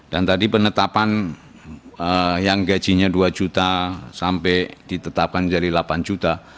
dan tadi penetapan yang gajinya rp dua juta sampai ditetapkan jadi rp delapan juta